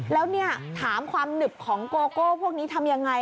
แล้วเนี่ยถามความหนึบของโกโก้พวกนี้ทำยังไง